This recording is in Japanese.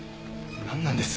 なんなんです？